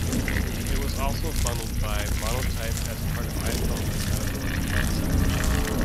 It was also bundled by Monotype as part of iPhone Compatibility Font Set.